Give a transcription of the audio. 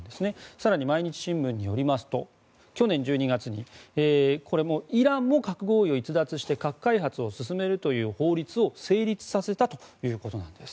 更に毎日新聞によりますと去年１２月にこれもイランも核合意を逸脱して核開発を進めるという法律を成立させたということです。